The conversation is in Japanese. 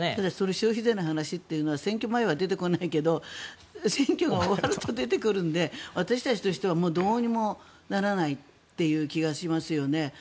消費税の話は選挙前は出てこないけど選挙が終わると出てくるので私たちとしてはどうにもならないという気がしますよね。